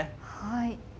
はい。